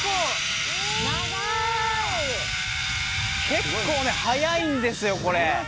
結構速いんですよ、これ。